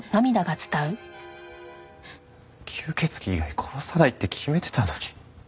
吸血鬼以外殺さないって決めてたのに。